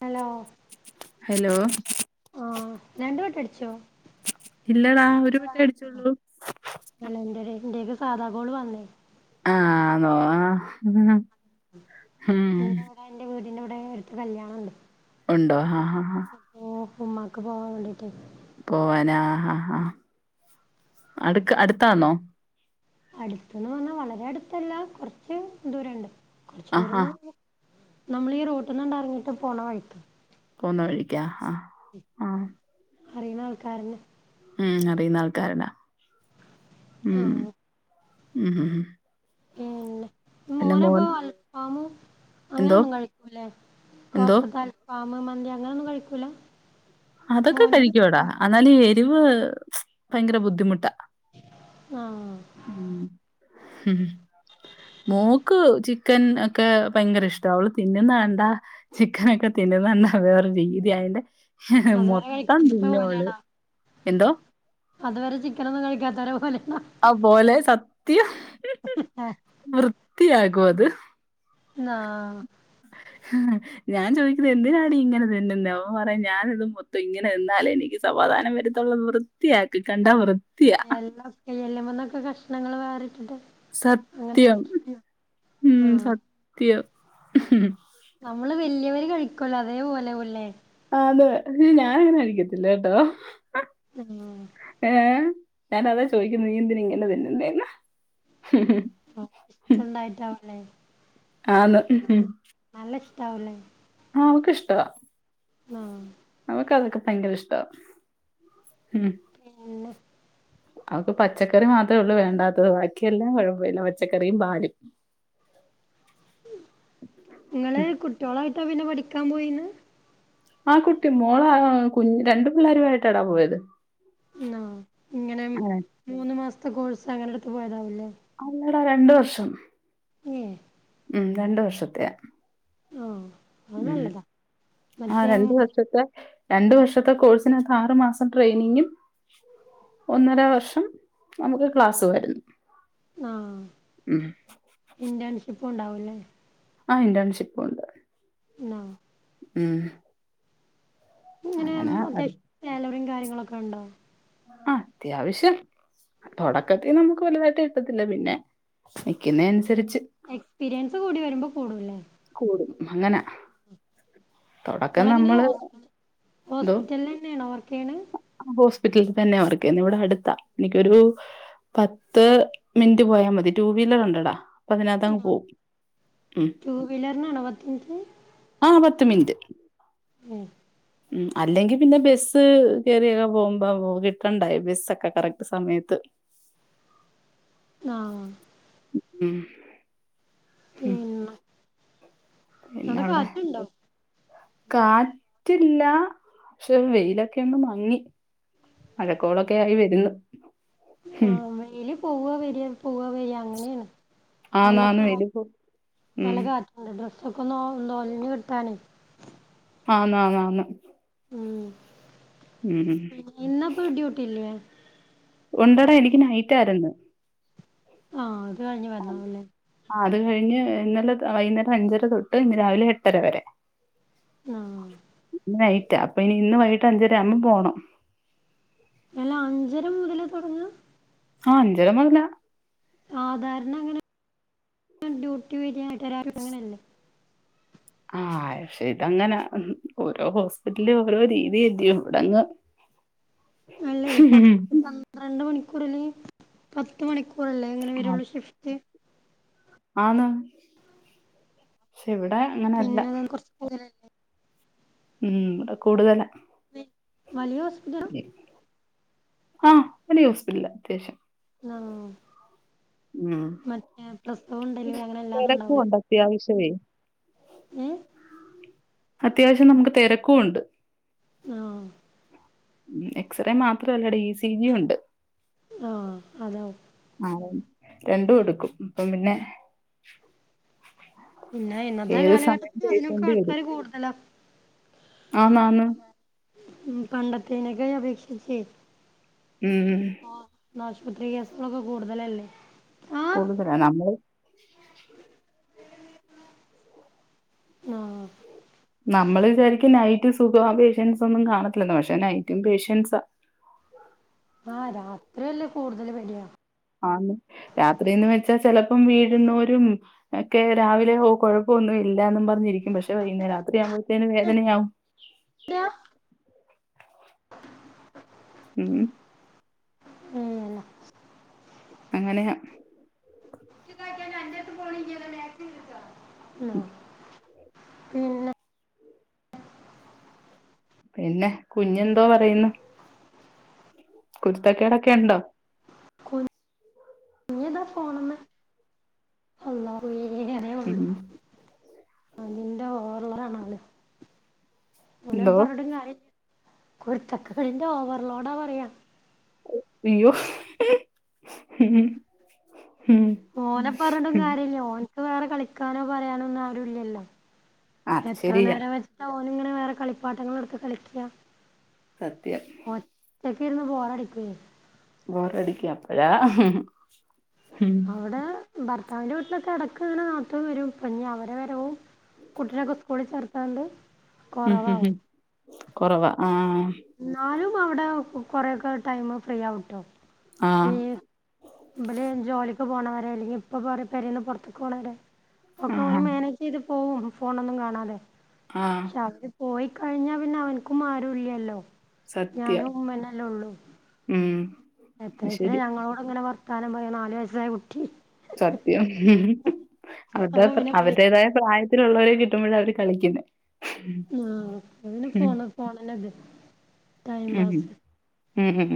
Hello hello ആഹ് രണ്ട് വട്ടടിച്ചോ ഇല്ലടാ ഒരു ബെല്ലെ അടിച്ചുള്ളൂ അല്ല ന്റതെ ഇന്റെയ്ക്ക് സാധാകോൾ വന്നേയ് ആഹ് ഹ് തോ ഹാം ഹും മം ഇന്നിവിടെ എന്റെ വീടിൻന്റെവ്ടെ ഒരു കല്യാണംണ്ട് ഉണ്ടോ ആഹ് ഹാ ഹാ ഓഹ് ഹമ്മാക്ക് പോവാൻ വേണ്ടിട്ടെയ് പോവാന ആഹ് ഹാ ഹാ അടുക്ക് അടുത്താന്നോ? അടുത്ത്ന്ന് പറഞ്ഞാ വളരെ അടുത്തല്ല കുറച്ച് ദൂരണ്ട് കൊറച്ച് ആഹ് ദൂരന്ന് ആഹ് നമ്മളീ റോട്ടിന്നങ്ങട്ടറങ്ങിട്ട് പോണ വൈക് പോന്ന വഴിക്കാ ആഹ് ആഹ് അറീണ ആൾക്കാരന്നെ ഉമ് അറീന്ന ആൾക്കാരന്നെ ഉമ് ആഹ് ഉമ് ഉഹ് പിന്നെ മോനപ്പോ അൽ ഫാമു എന്തോ അങ്ങനൊന്നും കഴിക്കൂല്ലേ എന്തോ പൊറത്ത്ത്താ അൽ ഫാമ് മന്തി അങ്ങനൊന്നും കഴിക്കൂല്ല അതൊക്കെ കഴിക്കുവടാ അന്നാല് ഈ എരിവ് ഭയങ്കര ബുദ്ധിമുട്ടാ ആഹ് ഉമ് മോൾക്ക് ചിക്കൻ ഒക്കെ ഭയങ്കര ഇഷ്ട്ടാ അവള് തിന്നുന്നേ കണ്ടാ ചിക്കനൊക്കെ തിന്നുന്ന [unintelligible] രീതി അയിന്റെ അതുവരെ മൊത്തം കഴിക്കാത്ത തിന്നൊള് ഓനാണോ എന്തോ? അതുവരെ ചിക്കനൊന്നും കഴിക്കാത്തോരെ പോലേണോ? അഹ് പോലെ സത്യം വൃത്തിയാകുവത് ന്നാ ആഹ് ഞാൻ ചോദിക്കുന്ന് എന്തിനാടി ഇങ്ങനെ തിന്നുന്നെ അപ റിം ഞാനിത് മൊത്തം ഇങ്ങനെ തിന്നാലേ എനിക്ക് സമാധാനം വരുത്തൊള്ളത് വ വൃത്തിയാക്കി കണ്ടാ വൃ എല്ലൊക്കെ എല്ലുമ്മന്നൊക്കെ കഷ്ണങ്ങള് വേറിട്ടിട്ട് അങ്ങനെ സത്യം കഴിക്കും ഉമ് ആ സത്യം നമ്മള് വല്ല്യവര് കഴിക്കൊല്ലോ അതേപോലെ ആവൊ ല്ലേ? ആഹ് തെ ഇഹ് ഞാനങ്ങനെ അഴിക്കത്തില്ല കേട്ടോ ഉമ് ഏഹ് ഞാനതാ ചോയിക്കുന്നെ നീ എന്തിന ഇങ്ങനെ തിന്നുന്നെ ഓഹ് ഇഷ്ടണ്ടായിട്ടാവൊല്ലേ ആന്ന് ഉമ് നല്ല ഇഷ്ടാവൊ ല്ലേ ആഹ് അവക്കിഷ്ട ആഹ് അവക്ക് അതൊക്കെ ഭയങ്കര ഇഷ്ടവാ ഉമ് ഏഹ് അവക്ക് പച്ചക്കറി മാത്രേ ഉള്ളൂ വേണ്ടാത്തത് ബാക്കിയ എല്ലാം കുഴപ്പം ഇല്ല പച്ചക്കറിയും പാലും നിങ്ങള് കുട്ട്യോളായിട്ടാ പിന്നെ പഠിക്കാൻ പോയി ന്ന് ആഹ് കുട്ടി മോളെ ആ ആകു രണ്ടു പിള്ളേരു ആയിട്ട് ആണ് പോയത് ന്നോ ഇങ്ങനെ മൂന്ന് മാസത്തെ കോഴ്സ് അങ്ങനെ അവരുടെ അടുത്ത് പോയതാവൂല്ലേ അല്ലടാ രണ്ടുവർഷം ഏഹ് ഉമ് രണ്ടു വർഷത്തെ ഓഹ് ആഹ് രണ്ടു വർഷത്തെ രണ്ടു വർഷത്തെ കോഴ്സിന് ആറുമാസം ട്രെയിനിങ്ങും ഒന്നര വർഷം നമുക്ക ക്ലാസ് വായിരുന്നു ആഹ് ഇന്റേൺഷിപ്പും ഉണ്ടാവുംല്ലേ? ആഹ് ഇൻറർ ഷിപ്പ് ഉണ്ട് ന്നാ ഉമ് ഇങ്ങനെ അങ്ങനെ അത് അത്യാവശ്യം സാലറിയും കാര്യങ്ങളൊക്കെ ഉണ്ടോ ആഹ് അത്യാവശ്യം തുടക്കത്തിൽ നമുക്ക് വലുതായിട്ട് കിട്ടത്തില്ല പിന്നെ വിക്കുന്ന അനുസരിച്ച് എക്സ്പീരിയൻസ് കൂടി വരുമ്പോ കൂടു ലെ കൂടും അങന നിങ്ങളങ്ങനെയ എന്തോ ഹോസ്പിറ്റലിൽ തന്നെ യാണോ വർക്ക് ചെയ്യുന്നെ ഹോസ്പിറ്റലിൽ തന്നെയാണ് വർക്ക് ചെയ്യുന്നത് ഇവിടെഅടുത്താ എനിക്കൊരു പത്ത് മിനിറ്റ് പോയാൽ മത ടൂവീലർ ഉണ്ട് എടാ അതിനാത്ത് അങ്ങ് പോകും ഉം ടൂവീലർനാണോ പത്തുമിനുട്ട് ആഹ് പത്ത് മിനിറ്റ് ഉം അല്ലെങ്കി പിന്നെ ബസ് കയറിയൊക്കെ പോകുമ്പോൾ കിട്ടണ്ടായോ ബസ്സൊക്കെ കറക്റ്റ് സമയത്ത് ആഹ് ഉം ഉം പിന്നെ പിന്നെ ആടെ അവിടെ കാറ്റ് ഇണ്ടോ? കാറ്റില്ല പക്ഷെ വെയിലൊക്കെ ഒന്ന് മങ്ങി മഴക്കോളൊക്കെ ആയി വരുന്നു ഉം ആഹ് വെയില് പോവ വരിയാ പോവ വരിയാ ആന്ന് ആന്ന് വെയിലിപ്പോ ഉം എ ഡ്ഡ്രസ്സ് ഒക്കെ ഒന്ന് ഉലഞ്ഞു കിട്ടാന് ആന്ന് ആന്ന് ആന്ന് ഊഹും ഇന്ന് അപ്പോൾ ഡ്യൂട്ടി ഇല്ലേ ഉണ്ടടെ ഇനിക്ക് നൈറ്റ് ആയിരുന്നു ആഹ് അത് കഴിഞ്ഞ് വരണംമല്ലേ ആഹ് അതും കഴിഞ്ഞ് ഇന്നലെ വൈകുന്നേരം അഞ്ചര തൊട്ട് ഇന്ന് രാവിലെ എട്ടര വരെ ആഹ് നൈറ്റാ അപ്പൊ ഇനി ഇന്ന് വൈകിട്ട് അഞ്ചര ആവുമ്പോ പോണം അല്ല അഞ്ചര മുതല തുടങ്ങാ? ആഹ് അഞ്ചര മുതലാ സാധാരണ അങ്ങനെ ഡ്യൂട്ടി [unintelligible] അങ്ങനെയല്ലേ ആഹ് പക്ഷെ ഇതങ്ങനെ ഓരോ ഹോസ്പിറ്റല്‍ ഓരോ രീതി അല്ലിയോ ഇവിടങ്ങ് ഹ് അല്ലേ പത്ത് പന്ത്രണ്ട് മണിക്കൂറില് പത്ത് മണിക്കൂറല്ലേ അങ്ങനെ വരുള്ളൂ ഷിഫ് റ്റ് ആന്ന് ക്ഷെ ഇവിടെ അങ്ങനെയല്ല പിന്നെ അത് കുറച്ച് [unintelligible] ഉം ഇവ്ട കൂടുതലാ വലിയ ഹോസ്പിറ്റലാ ആഹ് വലിയ ഹോസ്പിറ്റലാ അത്യാവശ്യം ആഹ് ഉം മറ്റേ പ്രസവം ഉണ്ടല്ലെങ്കിൽ അങ്ങനെ എല്ലാന്നും ഉണ്ടാവൂലേ അത്യാവശ്യവേ ഏഹ് അത്യാവശ്യം നമുക്ക് തിരക്കും ഉണ്ട് ആഹ് ഉ എക്സ്റേ മാത്രമല്ല ഡി ഇ സി ജി ഉണ്ട് ആഹ് അതാ ആഹ് രണ്ടും എടുക്കും അപ്പം പിന്നെ പിന്നെ ഇന്നത്തെ ഏത് സമയം കാലഘട്ടത്തിൽ അതിനൊക്കെ പേഷ്യന്റ് ആൾക്കാര് കൂടുതലാ ആന്ന് ആന്ന് ഉം പണ്ടത്തേനെക്കെ അപേക്ഷിച്ചേ ഉം ഇന്ന് ആശുപത്രി കേസ്കളൊക്കെ കൂടുതലല്ലേ ആഹ് [unintelligible] നമ്മള് ഉം നമ്മള് വിചാരിക്കും നൈറ്റ് സുഖം പേഷ്യൻസ് ഒന്നും കാണത്തില്ലന്ന് പക്ഷെ നൈറ്റും പേഷ്യൻസാ ആഹ് രാത്രിയല്ലേ കൂടുതല് പേടിയാ ആ രാത്രിന്ന് വെച്ചാ ചെലപ്പം വീഴുന്നോരും ഒക്കെ രാവിലെ ഓ കൊഴപ്പവൊന്നും ഇല്ലാന്നും പറഞ്ഞിരിക്കും പക്ഷെ വൈകേ രാത്രിയാകുമ്പഴത്തേന് വേദനയാവും എയാ ഉം ഉം അങ്ങനെ പിന്ന പിന്നെ കുഞ്ഞെന്തോ പറയുന്നു കുരുത്തക്കേടൊക്കെ ഉണ്ടോ കുഞ്ഞിതാ പോണെന്ന് അള്ളാഹുവേ അറിയൂള്ളു ഉം കണ്ണിന്റെ ഓർലാണ് ആള് ഓനെ എന്തോ പറഞ്ഞിട്ടും കാര്യമില്ല കുരത്തക്കേടിന്റെ ഓവർലോഡാ പറയുവാ ഇയ്യോ ഉം ഉം ഓനെ പറഞ്ഞിട്ടും ഉം കാര്യവില്ലല്ലോ ഓനക്ക് വേറെ കളിക്കാനോ പറയാനോ ഒന്നും ആരും ഇല്ലല്ലോ അത് എത്ര ശെരിയാ നേരം വെച്ചിട്ട ഓനിങ്ങനെ വേറെ കളിപ്പാട്ടങ്ങൾ എടുത്ത് കളിക്കുക സത്യം ഒറ്റക്കിരുന്ന് ബോറടിക്കുവേ ബോറടിക്കും അപ്പഴാ ഉം അവിടെ ഭർത്താവിന്റെ വീട്ടിലൊക്കെ ഇടക്ക് ഇങ്ങനെ നാത്തൂൻ വരും ഇപ്പൊ ഇനി അവരുടെ വരവും കുട്ടീനെ ഒക്കെ സ്കൂളിൽ ചേർത്തകൊണ്ട് ഉം ഉം കുറവാ ആഹ് എന്നാലും അവിടെ കൊറേയൊക്കെ ടൈമ് ഫ്രീയാവൂട്ടോ ആഹ് ഇവിടെ ജോലിക്ക് പോണവര് അല്ലെങ്കിൽ ഇപ്പ പെരേന്ന് പുറത്തക്ക് പോണവര് ഒക്കെ അവര് ആഹ് മാനേജ് ചെയ്ത് പോകും ഫോണൊന്നും കാണാതെ ആഹ് പക്ഷെ അവര് പോയി കഴിഞ്ഞാ പിന്നെ അവനക്കും ആരും ഇല്ലല്ലോ സത്യം ഉം എത്ര അത് എത്ര ശരി ഞങ്ങളോടങ്ങനെ വർത്താനം പറയൂന്ന് ആലോചിച്ചതാ കുട്ടി സത്യം അവരുടെ അപ്പൊ പിന്നെ പോയി അവരുടേതായ പ്രായത്തിലുള്ളവരെ കിട്ടുമ്പോഴാ അവര് കളിക്കുന്നേ ഉം എങ്ങനെ പോണ് [unintelligible] ഉം ഉം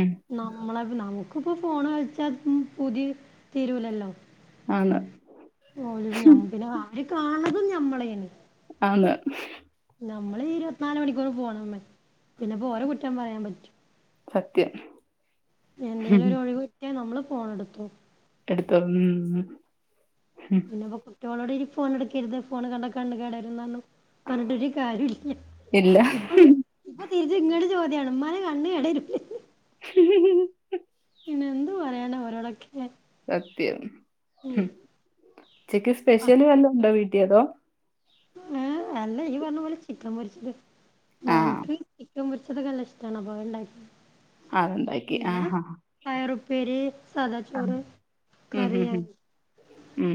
ഉം നമ്മള് നമുക്കിപ്പോ ഫോൺ കളിച്ചാൽ പൂതി തീരൂലല്ലോ ആണ് ഓ ഞ പിന്നെ ആര് കാണതും ഞമ്മള് തന്നെയാ ആന്ന് നമ്മള് ഈ ഇരുപത്തിനാല് മണിക്കൂറും ഫോണിൽമ്മേ പിന്നെപ്പോ ഓരേ കുറ്റം പറയാൻ പറ്റുവോ സത്യം എന്തേലും ഉം. ഒരു ഒഴിവ് കിട്ടിയാൽ നമ്മള് ഫോൺ എടുത്ത് നോക്കും എടുത്തും ഉം പിന്നിപ്പോ കുട്ടികളോട് ഇനി ഫോൺ എടുക്കരുത് ഫോൺ കണ്ട കണ്ണ് കേടായിരുന്നു പറഞ്ഞു പറഞ്ഞിട്ടൊരു കാര്യം ഇല്ല്യാ ഇല്ല ഇപ്പം ഇപ്പൊ തിരിച്ച് ഇങ്ങോട്ട്‌ ചോദ്യാണ് ഉമ്മാന്റെ കണ്ണ് കേടാരിക്കും പിന്ന എന്ത് പറയാന ഓരോടൊക്കെ സത്യം ഉം ചിക്കൻ സ്പെഷ്യൽ വല്ലാം ഉണ്ടോ വീട്ടിൽ അതോ ഏ അല്ല ഈ പറഞ്ഞ പോലെ ചിക്കൻ പൊരിച്ചത് ആ മോന്ക്ക് ചിക്കൻ പൊരിച്ചതൊക്കെ നല്ല ഇഷ്ടാണ് അപ്പ അത് ഇണ്ടാക്കി അത് ഇണ്ടാക്കി ആഹാ പയറുപ്പേരി, സാദ ആ. ചോറ്, ഉം കറി ഉം അ ഉം ഉം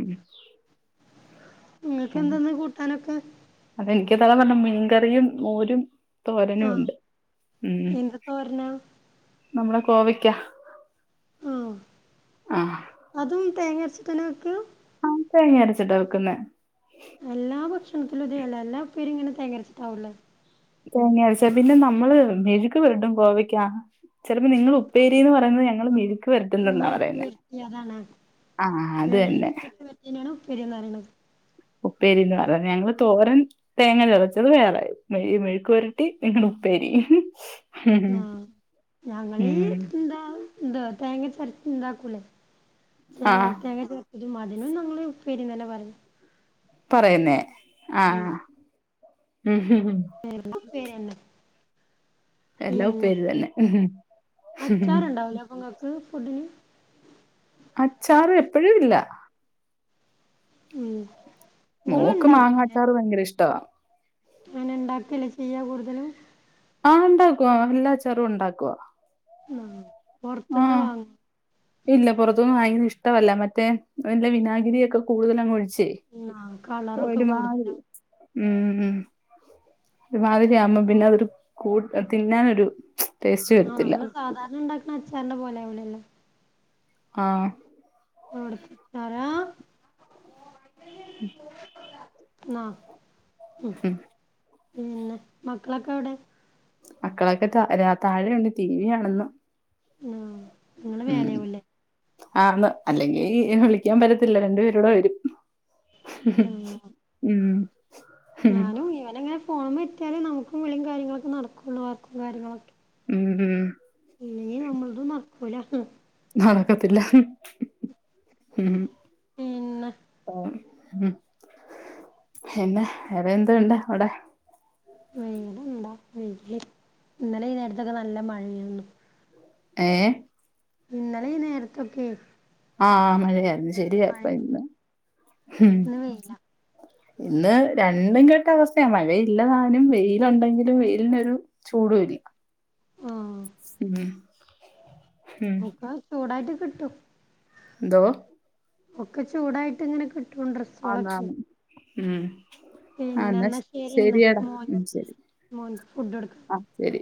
നിങ്ങക്ക് എന്താന്ന് കൂട്ടാനൊക്കെ? അതെ എനിക്ക് അതാണ് പറഞ്ഞത് മീൻകറിയും മോരും ആഹ് തോരനൂണ്ട്. ഉം എന്ത് തോരനാ നമ്മളെ കോവയ്ക്ക. ആഹ് ആ അതും തേങ്ങ അരച്ചിട്ടന്നെ വെക്കാ? ആ തേങ്ങ അരച്ചിട്ട വെയ്ക്കുന്നെ. എല്ലാ ഭക്ഷണത്തിലും ഇതേ അല്ല എല്ലാ ഉപ്പേരിയും ഇങ്ങനെ തേങ്ങഅരച്ചിട്ടാവുല്ലേ. തേങ്ങ്യ അരച്ചത്. പിന്നെ നമ്മള് മെഴുക്ക് പെരട്ടും കോവയ്ക്ക ചിലപ്പോ നിങ്ങൾ ഉപ്പേരി ന്ന് പറയുന്നത് ഞങ്ങൾ മിഴുക്ക് വരട്ടും ന്നെന്നാ പറയുന്നേ യെ അതാണ്. ആഹ് അത് തന്നെ തിനെ ആണൊ ഉപ്പേരിന്ന് പറിണത്? ഉപ്പേരിന്ന് പറയ്ന്നെ ഞങ്ങള് തോരൻ തേങ്ങ ചതച്ചത് വേറെ മെഴു മെഴുക്കു പെരട്ടി ഞങ്ങടെ ഉപ്പേരി. ഉം ആഹ് ഞങ്ങളീ ഉം എന്താ ഇന്താ തേങ്ങ ചേർത്ത് ഇണ്ടാക്കൂലേ ആ ഏഹ് തേങ്ങ ചേർ ത്തതും. അതിനും ഞങ്ങള് ഉപ്പേരിന്നന്നെ പറയാ പറയുന്നേ ഉം ആഹ് ഉഹും എന്തു പേര് എല്ലാം പിന്നെ. ഉപ്പേരി തന്നെ അച്ചാറുണ്ടാവുലെ അപ്പോ ഇങ്ങൾക്ക് ഫുഡിന്? അച്ചാറ് എപ്പഴും ഇല്ല. മ്മ് മോക്ക് മാങ്ങാ അച്ചാറ് ഭയങ്കര ഇഷ്ടവാ. എങ്ങനെ ഉണ്ടാക്കല്ലെ ചെയ്യ കൂടുതലും? ആഹ് ഉണ്ടാക്കും ആഹ് എല്ലാ അച്ചാറും ഉണ്ടാക്കുവാ. ഉം ആ പൊർത്തുന്ന് വാങ്ങു ഇല്ല പൊറത്തുന്ന്‌ വാങ്ങിക്കുന്നത് ഇഷ്ടവല്ല മറ്റേ അതിന്റെ വിനാഗിരിയൊക്കെ കൂടുതലങ്ങ് ഒഴിച്ചേ. ആഹ് കളറൊക്കെ ഒരു മാതിരി. കൂടുതലാവും ഉം ഹും ഒരു മാതിരിയാവുമ്പം പിന്നെ അതൊരു കൂട്ട് തിന്നാനൊരു ടേസ്റ്റ് ആഹ് വരത്തില്ല നമ്മള് സാധാരണ ഉണ്ടാക്ണ അച്ചാറിന്റെ പോലെ ആവൂലല്ലോ? ആഹ് ആണ് തരാ ഉം ന്നാ ഉം പിന്നെ മക്കളൊക്കെവിടെ? മക്കളൊക്കെ താ രാ താഴെയൊണ്ട് ടി വി കാണുന്നു. ആഹ് നിങ്ങള് ഉം മേലെയാവൂല്ലേ ആന്ന് അല്ലെങ്കി വിളിക്കാൻ പറ്റത്തില്ല രണ്ടു പേരൂടെ വരും. ആഹ് ഉം ഉം ഞാനും ഇവനങ്ങനെ ഫോണുമ്മ ഇര്ത്തിയാലേ നമക്കും വിളിയും കാര്യങ്ങളൊക്കെ നടക്കുള്ളൂ വർക്കും കാര്യങ്ങളൊക്കെ. ഉം ഉം ഇനീം നമ്മളത്‌ നട്ക്കൂല. നടക്കത്തില്ല. ഹു ഹും പിന്നെ ഓഹ് ഹും പിന്നെ വേറെ എന്തുണ്ട് അവിടെ? ഉം വേറെന്താ [unintelligible] ഇന്നലെ ഈ നേരത്തൊക്കെ നല്ല മഴയാരുന്നു. ഏഹ്? ഇന്നലെ ഈ നേരത്തൊക്കേ ആഹ് മഴയായിരുന്നു. ശരിയാ. ഇപ്പ ഇന്ന് ഇന്ന് വെയിലാ ഇന്ന് രണ്ടും കെട്ട അവസ്ഥയാ മഴയില്ലതാനും വെയിലൊണ്ടെങ്കിലും വെയിലിനൊരു ചൂടുല്ല്യ ആഹ് ഉം ഉം ഒക്കെ ചൂടായിറ്റ് കിട്ടും. ന്തോ ഒക്കെ ചൂടായിട്ടിങ്ങനെ കിട് ആന്നാന്ന് ഉം. അഹ് എന്നാ പിന്നെന്നാ ശരി എന്നാ ശരിയെടാ, മോൻ ഉം ശരി, മോൻക്ക് ഫുഡ് കൊടുക്ക ആഹ് ശരി.